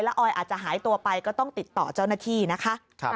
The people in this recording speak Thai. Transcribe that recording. ออยอาจจะหายตัวไปก็ต้องติดต่อเจ้าหน้าที่นะคะ